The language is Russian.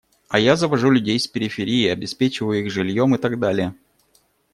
А я завожу людей с периферии, обеспечиваю их жильем и так далее.